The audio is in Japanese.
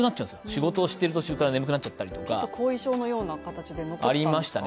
仕事をしている途中から眠くなっちゃったりとか後遺症のような形で残ったんですか？